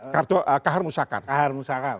kartu khar musakar